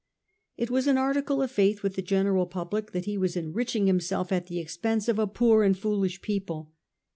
It was an article of faith with the general public that he was enriching himself at the expense of a poor and foolish people.